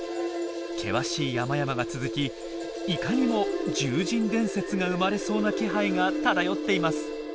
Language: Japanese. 険しい山々が続きいかにも獣人伝説が生まれそうな気配が漂っています。